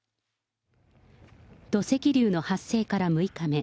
土石流の発生から６日目。